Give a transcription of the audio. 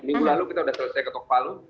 minggu lalu kita sudah selesai ketok palu